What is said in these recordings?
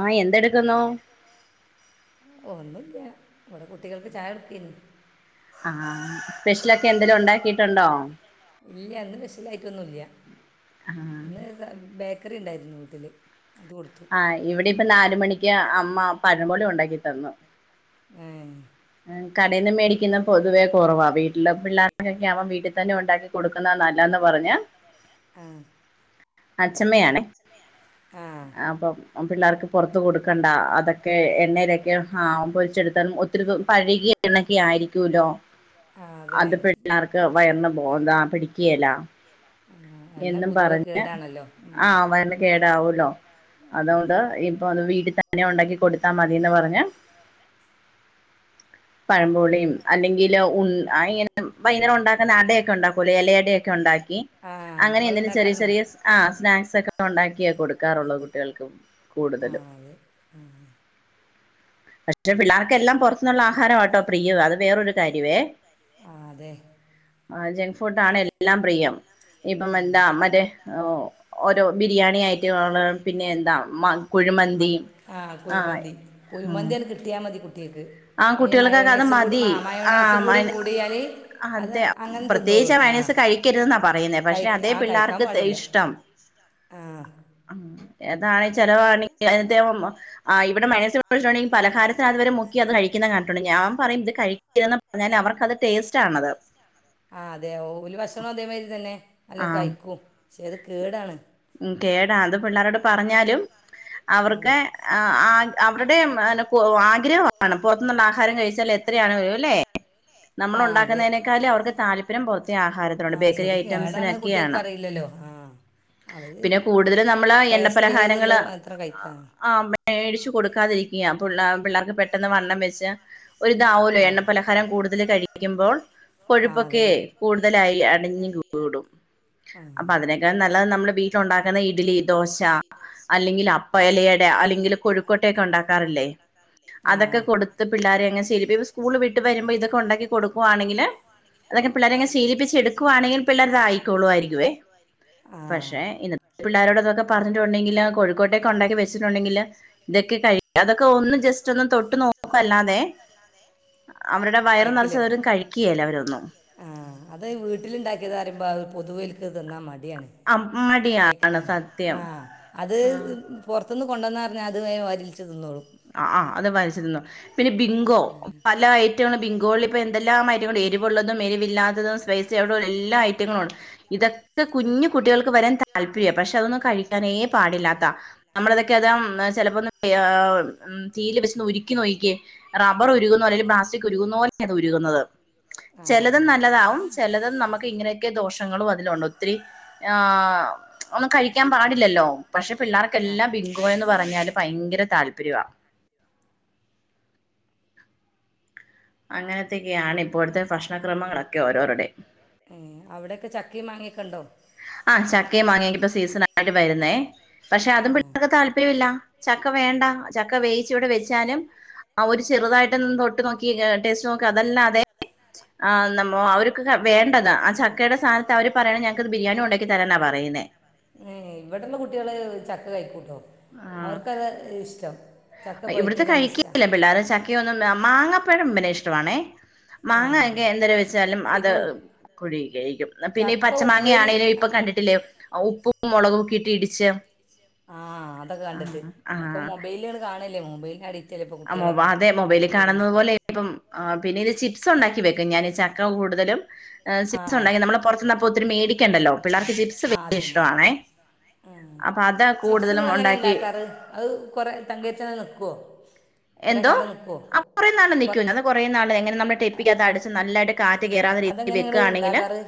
ആഹ് എന്തെടുക്കുന്നു ഒന്നുംല്യ ഇവിടെ കുട്ടികൾക്ക് ചായ കൊടുക്കേനി ആഹ് സ്പെഷ്യലൊക്കെ എന്തേലും ഒണ്ടാക്കിയിട്ടൊണ്ടോ ഇല്യ ഇന്ന് സ്പെഷ്യലായിട്ടൊന്നും ഇല്യ ആഹ് ഇന്ന് സ ബേ ക്കറി ഉണ്ടായിരുന്നു വീട്ടില് അത് കൊടുത്തു ആഹ് ഇവിടെ ഇപ്പം നാല് മണിക്ക് അമ്മ പഴംപൊരി ഒണ്ടാക്കി തന്നു ഏഹ് കടേന്ന് മേടിക്കുന്ന പൊതുവേ കൊറവാ വീട്ടിലെ പിള്ളാർക്കെക്കെ ആവുമ്പോ വീട്ടിൽ തന്നെ ഒണ്ടാക്കി കൊടുക്കുന്ന നല്ലാന്ന് പറഞ്ഞാ ആഹ് അച്ഛമ്മയാണ് ആ അപ്പൊ പിള്ളാർക്ക് പൊറത്ത് കൊടുക്കണ്ട അതൊക്കെ എണ്ണയിലൊക്കെ ആഹ് പൊരിച്ചെടുത്താൽ ഒ [unintelligible] പഴകിയ എണ്ണേക്കെ ആയിരിക്കൂല്ലോ ആ അതന്നെ അത് പിള്ളേർക്ക് വയറിന് [unintelligible] പിടി ക്കേലാ ആ, എണ്ണ എന്നും പൊതുവെ പറഞ്ഞ് കേടാണല്ലോ ആ ആഹ് വയറിന് കേടാവൂല്ലോ അതു കൊണ്ട് ഇപ്പൊ അത് വീട്ടിൽ തന്നെ ഒണ്ടാക്കി കൊടുത്താ മതിയെന്ന് പറഞ്ഞ് എന്ന് പറഞ്ഞ് പഴംബോളി [unintelligible] അല്ലെങ്കില് ഉൻ [unintelligible] വൈകുന്നേരം ഒണ്ടാക്കുന്നെ അടയൊക്കെ ഉണ്ടാക്കുമല്ലോ എലയടയൊക്കെ ഒണ്ടാക്കി ആ അങ്ങനെ നിങ്ങൾ എന്തെങ്കിലും ചെറിയ ഉണ്ടാക്കാറുണ്ടോ ചെറിയ ആ സ്നാക്സ് ഒക്കെ ഉണ്ടാക്കിയ കൊടുക്കാറുള്ളൂ കുട്ടികൾക്കും ആ ത് ആഹ പക്ഷെ പിള്ളേർക്കെല്ലാം പോറ ആവർക്കെല്ലാം പോറത്തുള്ള ആഹാരമട്ടോ പ്രിയ അത് വേറൊരു കാര്യേ ആ ജങ്ക് ഫുഡ് ആണ് എല്ലാം പ്രിയം ഇപ്പം എന്താ മറ്റേ ഓ ഓരോ ബിരിയാണി ഐറ്റങ്ങൾ പിന്നെ എന്താ മ കുഴിമന്തി ആഹ കുഴിമന്തിന്ന് കിട്ടിയാൽ മതി കുട്ടക്ക് ആ കുട്ടികൾക്കക്കെ അത് മതി ആ മൈന [unintelligible] ല് അതെ പ്രത്യേകിച്ച് ആ ക്കരുന്നാ പറയുന്നേ കഴി ആ പക്ഷെ മയോണൈസ് കഴിക്കരുതെന്നാണ് അതേ കഴിക്ക ആ പറയുന്നത്, കഴിക്കാൻ പിള്ളേർക്ക് തേ പാടില്ല ഇഷ്ടം പിള്ളേർക്ക് ഇഷ്ടം. ആ ആഹ താണ് ചിലവ [unintelligible] ആ ഇവിടെ മയനോസ് ഴിച്ചട്ടുണ്ടെങ്കിൽ പലഹാരത്തിനഅതുവരെ മുക്ക അത് കഴിക്കുന്ന കണ്ടിട്ടുണ്ട് ഞാ പറയും ഇത് കഴി ക്കരുതെന്ന് പറഞ്ഞാല് അവർക്കത് ടേസ്റ്റ് അത് ആണത് ടെസ്റ്റ്‌നത് അതെ ഓല് ഭക്ഷണം അതേമാതിരി തന്നെ നല്ല ആ കഴിക്കും പക്ഷേത് കേടാണ് ഉ കേടാ അത് പിള്ളേരോട് പറഞ്ഞാലും അവർക്ക് ഉം. ആ ആ അവരുടെെ ആഗ്രഹമാണ് പുറത്തുനിള്ള ആഹാരം കഴിച്ചാൽ എത്രയാണ് കഴിയ അല്ലേ നമ്മൾ ആ അതെ ഉണ്ടാക്കുന്നതിനേക്കാലും അവർക്ക് താല്പര്യം പുറത്തെ ആഹാരത്തിലുണ്ട് ബേക്കറി ഐറ്റംസിനൊക്കെയാണ് ആഹ അവര് പിന്നെ കൂടുതൽ നമ്മള് ടേസ്റ്റി എണ്ണപ്പലഹാരങ്ങള് ആയത്ള്ളത് മാത്രം കഴിക്കാ ആ മേടിച്ചു കൊടുക്കാതിരിക്ക പിള്ളെ പിള്ളേർക്ക് പെട്ടെന്ന് വണ്ണം വെച്ച് ഒരി ഇതാവുല്ല എണ്ണ പലഹാരം കൂടുതൽ കഴിക്കുമ്പോൾ ആ കൊഴുപ്പൊക്കെ അതന്നെ കൂടുതലായി അടിഞ്ഞ് കൂടും ആഹ അപ്പ അതിനൊക്കെൾ നല്ലത് നമ്മൾ വീട്ടില ഉണ്ടാക്കുന്ന ഇഡ്ലി ദോശ അല്ലെങ്കിൽ അപ്പ ഇലയടാ അല്ലെങ്കിൽ കോഴിക്കോട്ടൊക്കെ ഉണ്ടാക്കാറില്ലേ ആ ആ അതൊക്കെ കൊടുത്ത് പിള്ളേരെങ് ഇനിപ്പ സ്കൂള് വിട്ട് വരുമ്പോ ഇതൊക്കെ ഉണ്ടാക്കി കൊടുക്കുവാണെങ്കിൽ അതൊക്കെ പിള്ളരെെയങ്ങെ ശലിപ്പിച്ച എടുക്കുയാണെങ്കിൽ പിള്ളേരെത് ആായിക്കോളു ആരിക്കുവേ വായിക്കുവെ ആ പക്ഷെ ഇന്നത്തെ പിള്ളാരരോട് ഇതൊക്കെ പറഞ്ഞിട്ടുണ്ടെങ്കിൽ കോഴിക്കോട്ടേക്കെ ഉണ്ടാക്കി വെച്ചിട്ടുണ്ടെങ്കില് ഇതൊക്കെ കഴി ഇതൊക്കെ അതൊക്കെ കഴി ഒന്ന് അതൊക്കെ ജസ്റ്റ് ഒന്ന് തൊട്ട് ജസ്റ്റ് ഒന്നും തൊട്ട് നോക്കല്ലാതെ നോക്കല്ലാതെ അവരുടെ വയർ നിറ ചിലരും കഴിക്കുകല്ല അവരൊന്നും ആ അത് വീട്ടിലുണ്ടാക്കിയത് പറയുമ്പോ പൊതുവേൽക്ക് തന്നാൽ മടിയാണ് അ കഴിക്ക മടിയാണ് ആഹ സത്യം ആഹ അത് ആഹ് പോറത്തുന്ന് കൊണ്ടുന്ന പറഞ്ഞാൽ അത് വേ വരിരോച്ച് തിന്നോളും ആ ആ അത് വായിച്ചിന്നു പിന്നെ ബിങ്കോ പല ഐറ്റങ്ങളും ബിങ്കോകളളിൽ ഇപ്പോൾ എന്തെല്ലാ റ്റങ്ങളും എരിവുള്ളതും എരിവില്ലാത്തതും സ്പൈസ അവിട എല്ലാ ഐറ്റങ്ങളും ഇതൊക്കെ കുഞ്ഞു കുട്ടികൾക്ക് വരാൻ താല്പര്യമാണ് പക്ഷെ അതൊന്ന് കഴിക്ക ക്കാനെ പാടില്ലാത്ത നമ്മളതൊക്കെ അതാ ചിലപ്പോന്നും [unintelligible] ഉ തീയില് വെച്ചന്ന് ഉരുക്കി നോയിക്കേ റ ബ്ബർ ഉറുകുന്ന പോലെ ഒരു പ്ലാസ്റ്റിക്ക് ഉരുക്കുന്നലേ അത് ഉരുക്കുന്നത് ആഹ് ചിലതും അതന്നെ നല്ലതാവും ചിലതും നമുക്ക് ഇങ്ങനെ ക്കെ ദോഷങ്ങളും അതിലുണ്ട് ഒത്തിരി ആ ഒന്നും കഴിക്കാൻ പാടില്ലല്ലോ പക്ഷെ ആഹ് പിള്ളേർക്കെല്ലാം ബി ബിങ്കോ എന്ന് പറഞ്ഞാല് ഭയങ്കര താല്പര്യവാ അങ്ങനത്തൊക്കെയാണ് ഇപ്പോഴത്തെ ഭക്ഷണക്രമങ്ങളൊക്കെ ഓരോരുടെ ഹെ അവിടെയൊക്കെ ചക്കി മാങ്ങി ഒക്കെണ്ടോ ആഹ് ചക്കയും വാങ്ങിയെങ്കിപ്പ- സീസൺ ആയിട്ട് വരുന്നേ, പക്ഷെ അതും പിള്ളേർക്ക് ആഹ് താല്പര്യം. താല്പര്മില്ല ചക്ക വേണ്ട ചക്ക- വേയിച്ച് ഇവിടെ വെച്ചാനും. ആഹാ ഒരു ചെറുതായിട്ട് ഒന്ന് തൊട്ട് നോക്കി ടേസ്റ്റ്നോ. അതല്ല അതെ നമ്മ അവർക്ക്- വേണ്ടത് ആഹാ ചക്കയുടെ- സഥാനത്ത് അവര് പറയണ- ഞങ്ങക്ക് ബിരിയാണി ഉണ്ടാക്കി തരാനാ പറയിന്നെ. ഏ ഇവിടെള്ള കുട്ടികള് ചക്ക- കഴിക്കൂട്ടോ ആ അവർക്കത് ഇഷ്ടം- ചക്ക ഇവിടുത്തെ പഴുത്തത് നല്ല ഇഷ്ടാ കഴിക്കയില്ലേ പിള്ളേർ, ചക്കയൊന്നും, മാങ്ങപ്പഴം പിന്നെ ഇഷ്ടണേ. മാങ്ങയൊക്കെ ആഹ് എന്തര വെച്ചാലും അത്, പിന്നെ ഉ കുഴുകി കഴിക്കും പിന്നെ ഈ ചക്ക പച്ച മാങ്ങ ഉപ്പേരി ആണേലും ആ ഇപ്പൊ കണ്ടിട്ടില്ലേ ഉപ്പ്. മുളകുംക്കി ഇട്ടി ഇടിച്ച്. ആഹ് അതൊക്കെ കണ്ടിട്ട്, ആഹ് ഒക്കെ ആഹ് മൊബൈലട് കാണല്ലേ- മൊബൈലിന അഡിക്റ്റ. ആ മൊ അതെ മൊബൈലിൽ കാണുന്നുന്നത് പോലെ ഇപ്പം- പിന്നെത് ചിപ്സ് ഉണ്ടാക്കി വെക്കും. ഞാൻ ചക്ക കൂടുതലും. ആ സീസ ഉണ്ടി നമ്മള് പുറത്തുന്നപ്പോ- ത്തിനും മേടിക്കണ്ടല്ലോ. പിള്ളേർക്ക് ചിപ്സ് ആഹാ വലിയ അതെ, ഇഷ്ടമാണേ ഉം അപ്പൊ അത് ചിപ്സങ്ങ കൂടുതലും എങ്ങനെ ഉണ്ടാക്കി ഉണ്ടാക്കാറ്. അത് കൊറെ തങ്കേച്ചന- നിൽക്കുവോ? എന്തോ ആഹ് കുറേ നാള് കൊ നിക്കൂ, അത് കുറേ നാള് എങ്ങനെ നമ്മള്, ടെെപ്പിക്കാത അത് അടച്ച് നല്ലായിട്ട്. അതെങ്ങനെ നിങ്ങള് ഇണ്ടാക്കാറ്.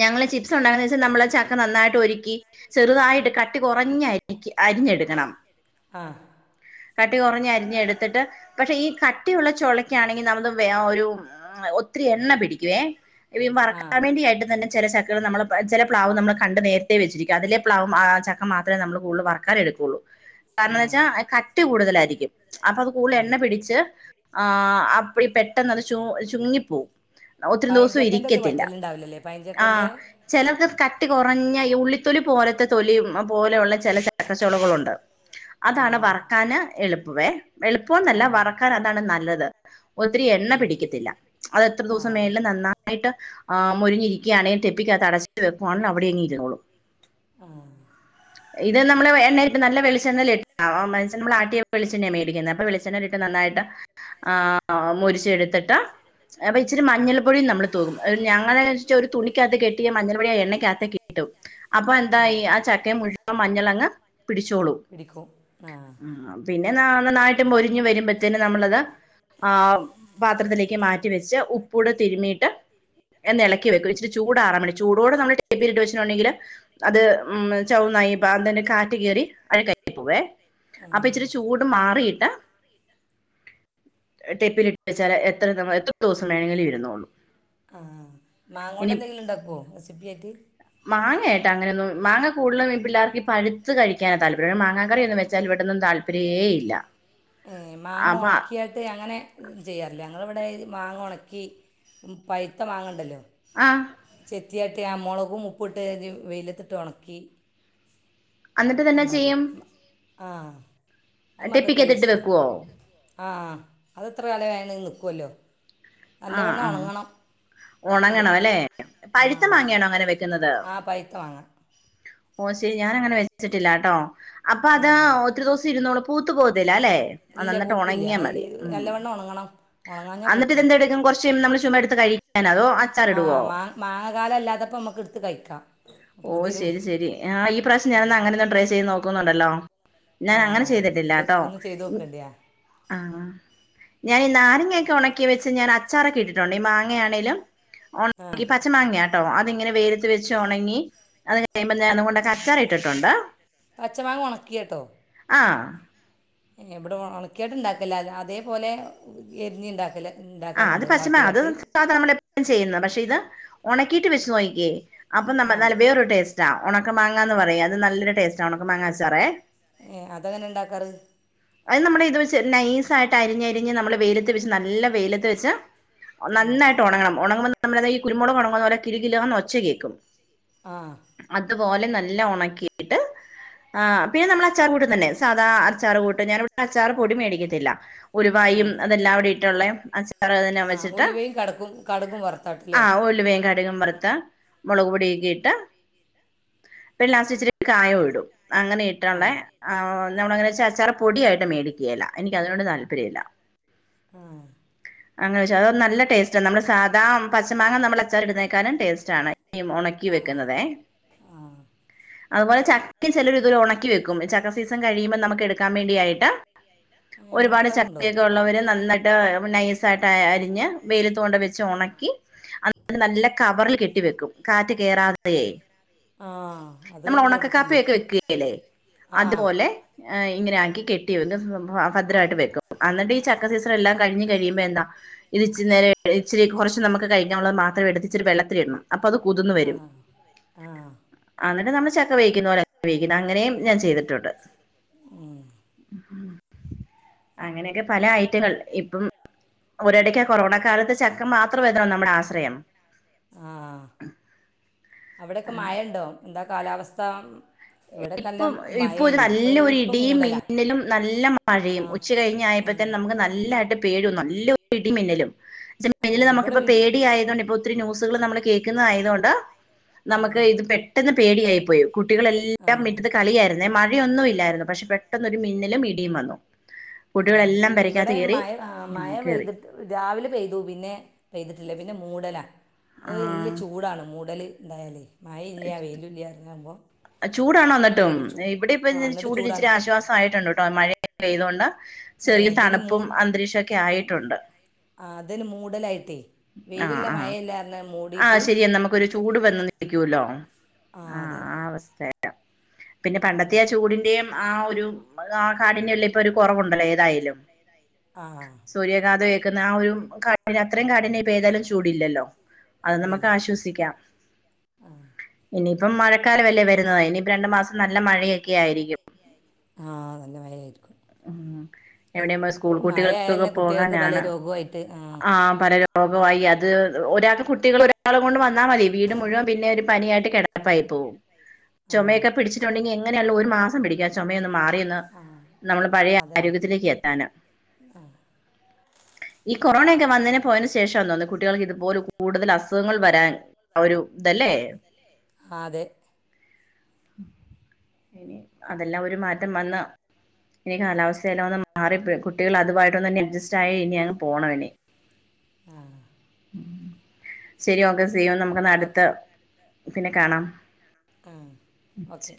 ഞങ്ങള്ൾ ചിപ്സ് ഉണ്ടാക്കന്ന് വെച്ചാ നമ്മള- നന്നായിട്ട് ഒരുക്കി, ചെറുതായിട്ട് കട്ടി കുറഞ്ഞ അരി, അരിഞ്ഞെടുക്കണം. ആഹാ. ട്ടി കുറഞ്ഞ അരിഞ്ഞ എടുത്തിട്ട്- പക്ഷെ ഈ കട്ടിയുള്ള- ചൊളക്കാണെങ്കിൽ - ആ ഒത്തിരി എണ്ണ പിടിക്കുവേ. ഇ ആ വറക്കാൻ വേണ്ടിയായിട്ട് തന്നെ- ചില ചക്കകൾ നമ്മൾ ചില പ്ലാവ് നമ്മൾ കണ്ട്നേര- വച്ചരിക്കും അതില പ്വം ആ ചക്ക മാമേ നമ്മള് കടുത വർക്കൻ എടുക്കയുള്ളൂ. ആ കാരണം വെച്ചാ കട്ടി കൂടുതലായിരിക്കും, അപ്പോ അത് കൂടുതൽ എണ്ണ ആ - പിടിച്ചു ആഹാ അപ്പോ - പ നല്ല ചുങ്ങി പോകവും, ഒത്തിരി ദിവസം പഴഞ്ചക്കൻ്റെ ഇത് ഇരിക്കത്തില്ല, പറ്റലുണ്ടാവില്ലല്ലേ ആഹ... പഴഞ്ചക്കൻ്റെ ചിലർക്ക് കട്ടി കുറഞ്ഞ ഈ ഉള്ളിത്തൊലി പോലത്തെ തൊലിയ പോലെയുള്ള ചില- ചക്കച്ചോളുകളൾുണ്ട്. ആ അതാണ് വറക്കാന് എളുപ്പവേ- എളുപ്പോന്നല്ല ആ വറക്കാൻ അതാണ് നല്ലത്. ഒത്തിരി എണ്ണ ആ പിടിക്കത്തില്ല അത്- എത്ര ആ ദിവസം അതെ മേളും നന്നായിട്ട് ആഹ മൊരിഞ്ഞിരിക്ക. പിക്കാണേൽ ഡെപ്പിക്കാത്ത് അടച്ചിട്ട് വക്കുവാണ് അവിടെങ്ങി ഇരുന്നോളും. ആഹ്... ഇത് നമ്മള് എണ്ണയിലിട്ട് നല്ല- വെളിച്ചണ്ണെല് ഇ ആ വെളിച്ചെണ്ണ നമ്മൾ ആട്ടിയ- വെളിച്ചെണ്ണയാ മേടിക്കുന്നെ- അപ്പോ വെളിച്ചണ്ണേലിട്ട് നന്നായിട്ട്- ആഹാ മൊരിച്ചെടുത്തിട്ട്- അപ്പോ ഇച്ചിരി മഞ്ഞൾപ്പൊടിയും നമ്മള് തൂകും ഞങ്ങളെ- ഒരു തുണിക്കാത്ത് കെട്ടിയ- മഞ്ഞൾ വഴെയ ആഹാ എണ്ണക്കാത്തേക്കിട്ടു. അപ്പോ ആ എന്തായി ആഹാ ചക്കെ- മുഴുവൻ മഞ്ഞളങ്ങ് പിടിച്ചോളൂ. ആഹ്... പിന്നെ നാ നന്നായിട്ടു മൊരിഞ്ഞ്- വരുമ്പോത്തേന് നമ്മളത്- ആഹാ പാത്രത്തിലേക്ക് മാറ്റി വെച്ച് ഉപ്പൂടെ തിരുമീട്ട്- എന്ന് എളക്കി വെക്കും ഇച്ചിരി- ചൂടറാമേണ്ടി ചൂടോടെ നമ്മള്- ടപ്പിലിട്ട് വെച്ചിട്ടുണ്ടെങ്കില്- അത് ഉം ചൗന്നായി പാ തന്നെ കാറ്റ് കേറി അഴക്കായ് പോവേ. ആഹ്.. കൂട് മാറീട്ട് ടെപ്പില്ട്ട് - വെച്ചാല് എത്ര നൾ, എത്ര ദിവസം വേണെലും ഇരുന്നോളും ഇനി, ഇണ്ടക്കോ റസിപ്പിയായ്ട്ട് മാങ്ങ ആയിട്ട് അങ്ങനൊന്നും മാങ്ങ കൂടുതലും ഇ പിള്ളാർക്കി പഴുത്ത് കഴിയ്ക്കാനാ താൽപ്പര്യം മാങ്ങ കറിയൊന്നും വച്ചാൽ ഇവിടൊന്നും താൽ പര്യേ ഇല്ല ഏഹ് മാങ്ങ അപ്പൊ ഒണക്കിയ ട്ട് അങ്ങനെ ചെയ്യാറില്ല ഞങ്ങടിവിടെ മാങ്ങ ഒണക്കി പഴ്ത്ത മാങ്ങെണ്ടല്ലോ ആഹ് ചെത്തിയട്ടി ആ മുളകും ഉപ്പിട്ട് വെയിലത്തിട്ട് ഒണക്കി എന്നിട്ട് തന്നെ ഇണ്ടാക്കും ചെയ്യും ആഹ് അത് മക്കക്ക് ടെപ്പിക്കകത്തിട്ട് നല്ലിഷ്ട്ടാ വെക്കുവോ ആഹ് അതെത്ര കാലം ആയാലും അത്‌ നിക്കുവല്ലോ നല്ലവണ്ണം ഒണങ്ങണം ഒണങ്ങണം അല്ലേ പഴുത്ത ഉണങ്ങണം മാങ്ങയാണോ അങ്ങനെ വെക്കുന്നത് ആ പഴുത്ത മാങ്ങ ഓഹ് ശരി ഞാനങ്ങനെ വച്ചിട്ടില്ലാട്ടോ അപ്പൊ ഏ അതാ ഒ ത്തിരി ദിവസം ഇരുന്നോളും പൂത്ത് പോത്തില്ല അല്ലെ അഹ് ഇല്ല നന്നാട്ട് പൂക്കില്ല ഒണങ്ങിയാ അത് മതി ഇം നല്ലവണ്ണം ഉണങ്ങണം ഉണങ്ങാഞ്ഞാൽ അന്നട്ടിതിന്റെ എടേ പൂക്കും [unintelligible] നമ്മള് ചുമ്മ എടുത്ത് കഴിക്കാനോ അതോ അച്ചാറിടുവോ മാങ്ങാകാലം അല്ലാത്തപ്പോ നമുക്ക് എടുത്ത് കയിക്കാം ഓഹ് ശരി ശരി ആഹ് ഈ പ്രാവശ്യം ഞാനെന്നാ അങ്ങനൊന്ന് ട്രൈ ചെയ്ത് നോക്കുന്നുണ്ടല്ലോ ഞാനങ്ങനെ ആഹ് ഇത് ചെയ്തട്ടില്ലാട്ടോ ഒന്ന് ചെയ്ത് ഇ നോക്കേണ്ടിയ ആഹ് ഞാനി നാരങ്ങയൊക്കെ ഒണക്കി വെച്ച് ഞാൻ അച്ചാറൊക്കെ ഇട്ടിട്ടുണ്ട് ഈ മാങ്ങയാണേലും ആഹ് ഒണങ്ങി പച്ച മാങ്ങയാട്ടോ അതിങ്ങനെ വെയിലത്ത് വെച്ച് ഒണങ്ങി അത് കഴിയമ്പം ഞാൻ അതുകൊണ്ടൊക്കെ അച്ചാറിട്ടിട്ടൊണ്ട് പച്ചമാങ്ങ ഒണക്കിയട്ടോ ആഹ് ഇല്ല ഇവിടെ ഒണക്കിയിട്ട് ഇണ്ടാക്കില്ല അതേപോലെ എരിഞ്ഞിണ്ടാക്കല് ഇണ്ടാക്കാറിണ്ട് വാട്ടിയാട്ട് സാധ നമ്മള് എപ്പളും ചെയ്യുന്ന പക്ഷെ ഇത് ഒണക്കീട്ട് വെച്ച് നോക്കിയേ അപ്പൊ നമ്പ ആഹ് നല്ല വേറൊരു ടേസ് റ്റാ ഒണക്ക മാങ്ങാന്ന് പറയും അത് നല്ലൊരു ടേസ്റ്റാ ഒണക്ക മാങ്ങ അച്ചാറേ ഏഹ് അതെങ്ങനെ ഇണ്ടാക്കാറ് അത് നമ്മളിത് വെച്ച് നൈസായിട്ട് അരിഞ്ഞരിഞ്ഞ് നമ്മള് വെയിലത്ത് വെച്ച് നല്ല വെയിലത്ത് വെച്ച് ഉം നന്നായിട്ട് ഒണങ്ങണം ഒണങ്ങുമ്പോ നമ്മളെതാ ഈ കുരുമുളക് ഒണങ്ങുന്ന പോലെ കിലുകിലാന്ന് ഒച്ച കേക്കും ആഹ് അതുപോലെ നല്ല ഒണക്കീട്ട് ആഹ് പിന്നെ നമ്മള് അച്ചാറ് കൂട്ടും തന്നെ സാധാ അച്ചാറ്കൂട്ട് ഞാനിവടെ അച്ചാറ് പൊടി മേടിക്കത്തില്ല ഉലുവായും ആഹ് അതെല്ലാവിടെട്ടുള്ളേ അച്ചാറ് [unintelligible] ആഹ് വെച്ചിട്ട് ഉലുവയും കടക്കും കടുകും വറുത്താട്ടല്ലേ ആഹ് ഉലുവയും ക ടുകും വറുത്ത് മുളക്പൊടിയക്കെ ഇട്ട് പിന്നെ ലാസ്റ്റിച്ചിരി കായോ ഇടും അങ്ങനെ ഇട്ടൊള്ളേ ആഹ് ആഹ് നമ്മളെങ്ങനേന്ന് വെച്ചാല് അച്ചാറ് പൊടിയായിട്ട് മേടി ക്ക്യേല്ല എനിക്കതിനോട് താല്പര്യവില്ല ആഹ് അങ്ങനെ ചോയ്ച്ച അതോന്ന് നല്ല ടേ സ്റ്റാ നമ്മള് സാധാ പച്ചമാങ്ങ നമ്മള് അച്ചാറിടുന്നേക്കാലും ടേസ്റ്റാണ് ഈ ഒണക്കി ആഹ് വെക്കുന്നതേ ആഹ് അത്പോലെ ചക്കിം ചെലരിതുവോലെ ഒണക്കിവെക്കും ചക്കസീസൺ കഴിയുമ്പ നമുക്കെടു ക്കാൻ വേണ്ടി ആയിട്ട് ഒരുപാട് ഉണക്കാറുണ്ടോ ചക്കേക്കെ ഉള്ളവര് നന്നായിട്ട് നൈസായിട്ട് അരിഞ്ഞ് വെയിലത്ത് കൊണ്ട് വെച്ച് ഒണ ‌ക്കി അത്കൊണ്ട് നല്ല കവറില് കെട്ടിവെക്കും കാറ്റ് കേറാതേ ആ അത് നമ്മളൊണക്ക കേട്ടിട്ടില്ല കപ്പയൊക്കെ വെക്കകേല്ലേ ആ അതുപോലെ ആഹ് ഇങ്ങനെ ആക്കി കെട്ടിവെക്കും എന്താ സംഭവം ഭദ്രയിട്ട് വെക്കും അന്നിട്ട് ഈ ചക്കസീണല്ലാം കഴിഞ്ഞ് കഴിയുമ്പ എന്താ ഇത് ഇച്ചിരി നേരം ഇച്ചിരി കുറച്ച് നമ്മക്ക് കഴിക്ക ഒള്ളത് മാത്രം എടുത്ത് ഇച്ചിരി വെള്ളത്തിലിടണം അപ്പൊ അത് കുതിന്ന് വെരും ആഹ് അഹ് ന്നിട്ട്നമ്മൾ ചക്കവേവിക്കുന്ന പോലെ വേവിക്കും അങ്ങനേയും ഞാൻചെയ്തിട്ടുണ്ട് ഉം അങ്ങനെയൊക്കെ പലഐറ്റങ്ങൾ ഇപ്പം ഒരടക്ക കൊറോണകാലത്ത് ചക്ക മാത്രംആയിരുന്നല്ലോ നമ്മടെആശ്രയം ആഹ് അവിടെക്കെ മയ ഉണ്ടോ എന്താ കാലാവസ്ഥ ഇവിടെയൊക്കെ നല്ല ഇപ്പം മഴേനി ഇപ്പം ഇപ്പം ഇപ്പൊഒരുനല്ലൊര്ഇടിയിം മൂടലാ മിന്നലും മഴയും ആ നല്ലമഴയും ഒര് നല്ല ച്ച്കഴിഞ്ഞായപ്പ ഏ തന്നെ നമ്മ്ക്ക് ന ല്ലായ്ട്ട്പേയും നല്ലൊര്ഇടിമിന്നലും ചേല് ഏ, ഇവിടെ മെന്നല്നമ്മക്ക്പ്പൊ വീട് പേടിയായതൊണ്ട് ഇപ്പോ ഒത്തിരി ന്യൂസ്കള് നമ്മള് കേക്ക്ന്നായത്കൊണ്ട് നമ്മക്ക് ആ ഇത്പെട്ടെന്ന്പേടിയായിപ്പോയി കുട്ടികളെ മിറ്റത്ത്കളിയായിരുന്നേ മഴയൊന്നും ഇല്ലായിരുന്നു പക്ഷെ പെട്ടെന്നൊരു മിന്നിലുംഇടിയുംവന്നു ഏഹ് ഇവടെ മഴ അഹ് കയറി മഴപെയ്തി രാവിലെപെയ്തു പിന്നെപെയ്തിട്ടില്ല പിന്നെമൂടല ആ ഓയ്എല്ല്യചൂടാണ് മൂടല്ഇണ്ടായാല് മായഇല്ല വെയിലുംഇല്ല എറങ്ങാവുമ്പോ ചൂടാണോന്നിട്ടും ഇവിടെ ഇപ്പംഇഞ്ഞഞ്‌ എന്നിട്ട് ചൂടാണ് ചൂട്ന്ഇച്ചിരിആശ്വാസആയിട്ടുണ്ട്ട്ടോ മഴെ പെയ്തോണ്ട് ഏ ഇതിന് ചെറിയതണുപ്പുംഅന്തരീക്ഷൊക്കെ ആയിട്ടുണ്ട് ആഹ് അതന്നേ മൂടലായിട്ടേ വെയിലല്ലാം മഴയല്ലാന്ന്മൂടി ആഹ് ശെരിയനമ്മക്കൊരു ചൂട് വന്നന്ന് നിക്കൂല്ലോ ആ ആഹ് അതെ ആഅവസ്തേല പിന്നെ പണ്ടത്തെആചൂടിന്റെയും ആ ഒരുകാകാടിന്നെല്ലേ ഒരുകൊറവുണ്ട്ലെഏതായാലും ആ സൂര്യഘാതഏക്കുന്ന ആഒരുക ഇനിഅത്രയുംകാടിന്ന്യംഇപ്പഏതാലും ചൂടില്ലല്ലോ അത് ഇല്ലില്ല നമ്മക്ക്ആശ്വസിക്കാം ആ ഇനിയിപ്പം മഴക്കാലംവല്ലേ വരുന്നത് ഇനിയിപ്പരണ്ട്മാസം നല്ലമഴയൊക്കെ ആയിരിക്കും ആഹ് നല്ലമഴയായിരി ഉ എവിടെയമ്മള് സ്കൂൾ മഴ ആയാൽ കുട്ടികൾക്ക് പല കുട്ടികൾക്കൊക്കെപോകാനാണ് രോഗമായിട്ട് ആ ആഹ് പലരും ആകെ വയ്യ അത് ഒരാക്ക് കുട്ടികള് ഒ രാള്കൊണ്ട് വന്നാമതി വീട്മുഴുവം പിന്നെ ഒരുപനിയായിട്ട് കേടപ്പായി പോവും ആ ചൊമയൊക്കെ പിടിച്ചിട്ടുണ്ടെങ്കി എങ്ങനെയാല്ലൊ ഒരുമാസംപിടിക്കും ആചൊമയൊന്ന് മാറിയൊന്ന് ആ നമ്മള് അതന്നെ പഴയആരോഗ്യത്തിലേക്ക് എത്താന് ആ ഈകൊറോണയൊക്കെ വ ന്നനേ പോയന്റെശേഷാന്ന്തോന്ന് കുട്ടികൾക്ക് ഇത്പോലെ കൂടുതല് അസുഖങ്ങൾവരാൻആഒരു തല്ലേ അഹ്അതെ ഇനി അതെല്ലാംഒരുമാറ്റംവന്ന ഈകാലാവസ്ഥയിൽവന്ന്മാറിപ്പയും കുട്ടികൾ അതുമായിട്ടൊന്നതന്നെ അഡ്ജസ്റ്റായി ഇനിഅങ്ങ്പോണയിനി ആഹ് ശരിഓക്കേസീയു ഓക്കെ നമുകൊന്ന്അടുത്ത പിന്നെകാണാം ആഹ് ഓക്കെ